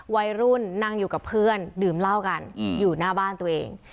วัยรุ่นนั่งอยู่กับเพื่อนดื่มเหล้ากันอยู่หน้าบ้านตัวเอง